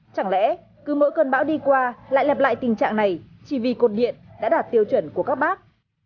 chẳng lẽ cứ mỗi cơn bão đi qua lại lặp lại tình trạng này chỉ vì cột điện đã đạt tiêu chuẩn của các bác